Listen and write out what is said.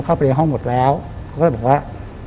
เข้าไปในห้องหมดแล้วเขาก็เลยบอกว่า